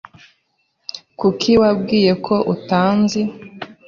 Kuki wabwiye ko utanzi?